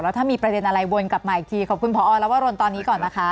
ถ้ามีประเด็นอะไรวนกลับมาอีกทีขอบคุณพอลวรนตอนนี้ก่อนนะคะ